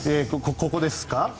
ここですか？